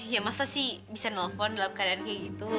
ya masa sih bisa nelfon dalam keadaan kayak gitu